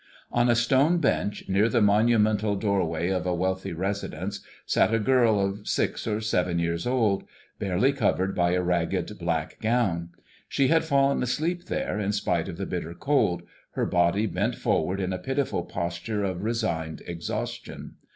On a stone bench, near the monumental doorway of a wealthy residence, sat a little girl six or seven years old, barely covered by a ragged black gown. She had fallen asleep there in spite of the bitter cold, her body bent forward in a pitiful posture of resigned exhaustion.